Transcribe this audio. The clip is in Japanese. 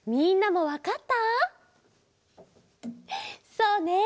そうね。